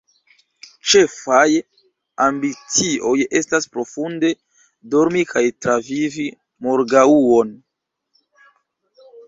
Ĉefaj ambicioj estas profunde dormi kaj travivi morgaŭon.